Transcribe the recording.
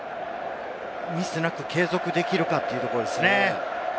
ミスなく継続できるかというところですね。